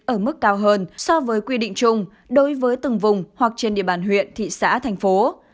ở mức cao hơn so với quy định chung đối với từng vùng hoặc trên địa bàn huyện thị xã thành phố